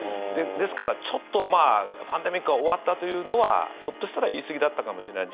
ですから、パンデミックは終わったというのはひょっとしたら言いすぎだったかもしれない。